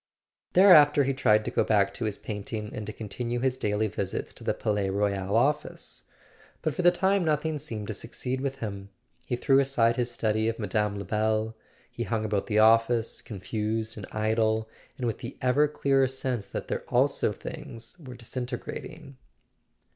Thereafter he tried to go back to his painting and to continue his daily visits to the Palais Royal office. But for the time nothing seemed to succeed with him. He threw aside his study of Mme. Lebel—he hung about the office, confused and idle, and with the ever clearer sense that there also things were disintegrat¬ ing.